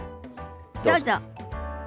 どうぞ。